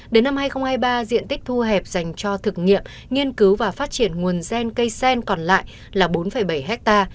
đến năm hai nghìn hai mươi ba diện tích thu hẹp dành cho thực nghiệm nghiên cứu và phát triển nguồn gen cây sen còn lại là bốn bảy ha